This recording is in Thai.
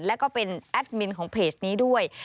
แล้วก็เป็นแอดมินของเพจนี้ด้วย